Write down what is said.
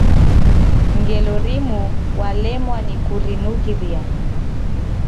Ngelo rimu w'alemwa ni kurinughiria.